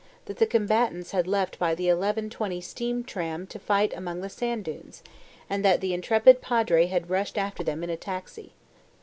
that the combatants had left by the 11.20 steam tram to fight among the sand dunes, and that the intrepid Padre had rushed after them in a taxi.